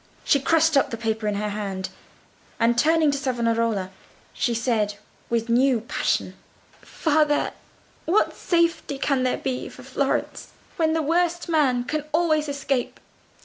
She crushed up the paper in her hand, and, turning to Savonarola, she said, with new passion, "Father, what safety can there be for Florence when the worst man can always escape?